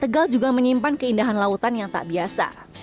tegal juga menyimpan keindahan lautan yang tak biasa